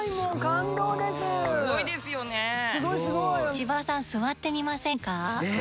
千葉さん座ってみませんか？